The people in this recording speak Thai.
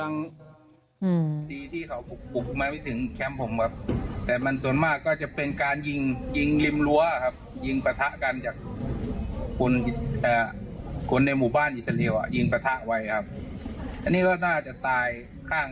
นี่กำลังทีที่เขาปลุกมาให้ถึงแคมป์ผมครับ